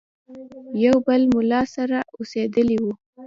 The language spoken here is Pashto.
یو بل مُلا سره اوسېدلی وي.